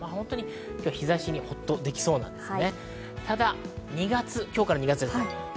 日差しにホッとできそうなんですね。